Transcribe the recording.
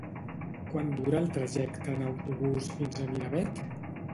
Quant dura el trajecte en autobús fins a Miravet?